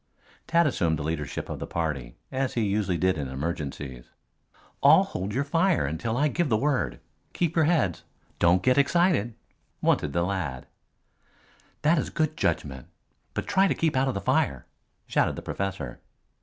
Tad assumed the leadership of the party, as he usually did in emergencies. "All hold your fire until I give the word. Keep your heads. Don't get excited!" wanted the lad. "That is good judgment. But try to keep out of the fire," shouted the professor.